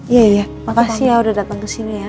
iya iya makasih ya udah datang ke sini ya